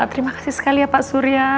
terima kasih sekali ya pak surya